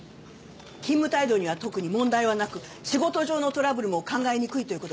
勤務態度には特に問題はなく仕事上のトラブルも考えにくいという事でした。